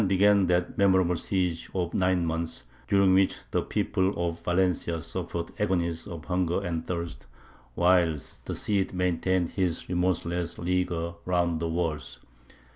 Then began that memorable siege of nine months, during which the people of Valencia suffered agonies of hunger and thirst, while the Cid maintained his remorseless leaguer round the walls.